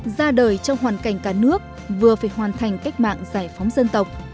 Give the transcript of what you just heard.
ra đời trong hoàn cảnh cả nước vừa phải hoàn thành cách mạng giải phóng dân tộc